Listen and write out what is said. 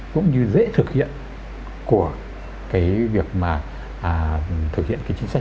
cũng như dễ thực hiện